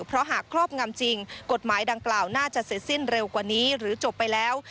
เพราะหากครอบงำจริงกฎหมายดังกล่าวน่าจะเสร็จสิ้นเร็วกว่านี้หรือจบไปแล้ว